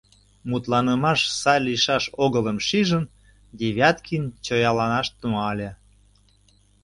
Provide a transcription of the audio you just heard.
Мутланымаш сай лийшаш огылым шижын, Девяткин чояланаш тӱҥале: